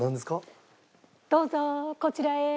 どうぞこちらへ。